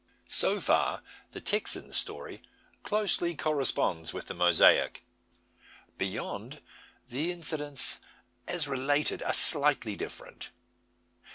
So far the Texan story closely corresponds with the Mosaic. Beyond, the incidents as related, are slightly different.